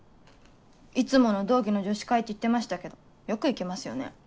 いつもの同期の女子会って言ってましたけどよく行けますよね。